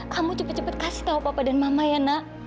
kamu cepet cepet kasih tau bapak dan mama ya nak